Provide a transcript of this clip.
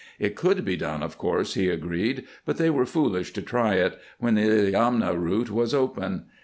It could be done, of course, he agreed, but they were foolish to try it, when the Illiamna route was open.